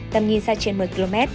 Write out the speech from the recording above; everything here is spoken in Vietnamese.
tầm nhìn xa trên một mươi km